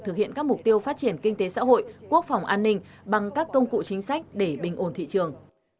thực hiện các mục tiêu phát triển kinh tế xã hội quốc phòng an ninh bằng các công cụ chính sách để bình ổn thị trường